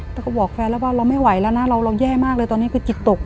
แล้วก็บอกแฟนแล้วว่าเราไม่ไหวแล้วนะเราแย่มากเลยตอนนี้คือจิตตก